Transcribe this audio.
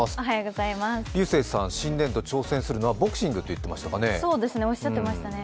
流星さん、新年度挑戦するのはボクシングとおっしゃってましたね。